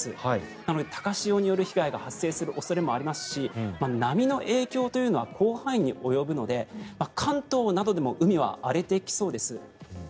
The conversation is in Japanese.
なので高潮による被害が発生する恐れもありますし波の影響というのは広範囲に及ぶので関東などでも海は荒れてきそうです。